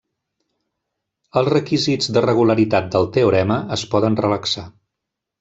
Els requisits de regularitat del teorema es poden relaxar.